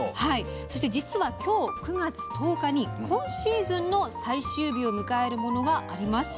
そして、実は今日９月１０日に今シーズンの最終日を迎えるものがあります。